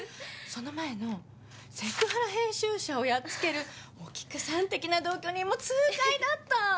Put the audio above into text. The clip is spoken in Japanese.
その前のセクハラ編集者をやっつけるお菊さん的な同居人も痛快だった！